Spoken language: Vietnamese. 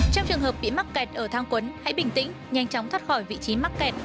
trong trường hợp bị mắc kẹt ở thang cuốn hãy bình tĩnh nhanh chóng thoát khỏi vị trí mắc kẹt